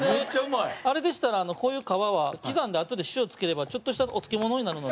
あれでしたらこういう皮は刻んだあとで塩漬ければちょっとしたお漬物になるので。